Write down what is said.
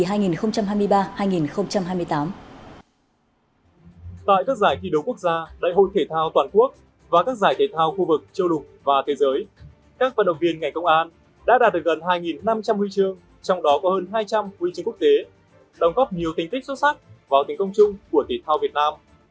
tại các giải thi đấu quốc gia đại hội thể thao toàn quốc và các giải thể thao khu vực châu lục và thế giới các vận động viên ngành công an đã đạt được gần hai năm trăm linh huy chương trong đó có hơn hai trăm linh huy chương quốc tế đồng góp nhiều tính tích xuất sắc vào tính công chung của thể thao việt nam